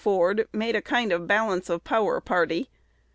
Ford, "made a kind of balance of power party."